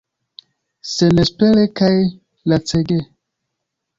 Senespere kaj lacege.